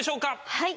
はい。